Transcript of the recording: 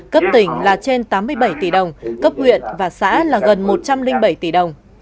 cấp tỉnh là trên tám mươi bảy tỷ đồng cấp huyện và xã là gần một trăm linh bảy tỷ đồng